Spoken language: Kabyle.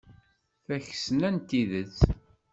D takesna n tidet!